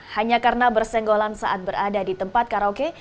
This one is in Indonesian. hanya karena bersenggolan saat berada di tempat karaoke